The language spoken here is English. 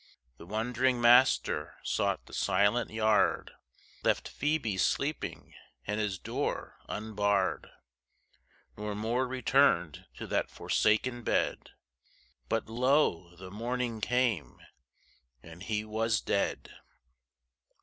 The wond'ring master sought the silent yard, Left Phoebe sleeping, and his door unbarred, Nor more returned to that forsaken bed But lo! the morning came, and he was dead.